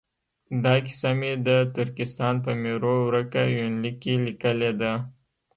دا کیسه مې د ترکستان په میرو ورکه یونلیک کې لیکلې ده.